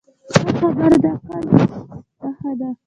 ښه خبرې د عقل نښه ده